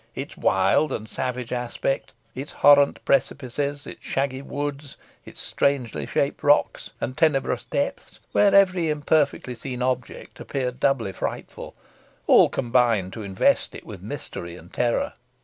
Its wild and savage aspect, its horrent precipices, its shaggy woods, its strangely shaped rocks and tenebrous depths, where every imperfectly seen object appeared doubly frightful all combined to invest it with mystery and terror.